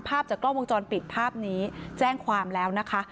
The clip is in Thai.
ภาพจากกล้องวงจรปิดภาพนี้แจ้งความแล้วนะคะ